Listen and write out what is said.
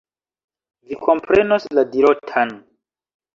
Vi komprenos la dirotan.